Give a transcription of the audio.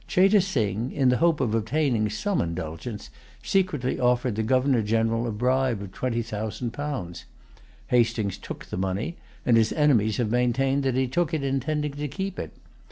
Cheyte Sing, in the hope of obtaining some indulgence, secretly offered the Governor General a bribe of twenty thousand pounds. Hastings took the money, and his enemies have maintained that he took it intending to keep it.